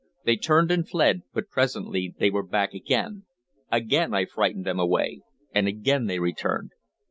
They turned and fled, but presently they were back again. Again I frightened them away, and again they returned.